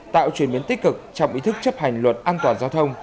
tạo chuyển biến tích cực trong ý thức chấp hành luật an toàn giao thông